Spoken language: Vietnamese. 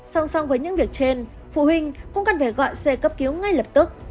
song song với những việc trên phụ huynh cũng cần phải gọi xe cấp cứu ngay lập tức